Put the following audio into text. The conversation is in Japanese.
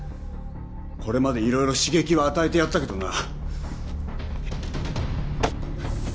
これまでいろいろ刺激を与えてやったけどな。